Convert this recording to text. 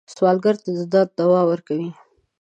سوالګر ته د درد دوا ورکوئ